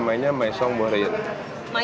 jadi ini adalah perumahan yang diambil oleh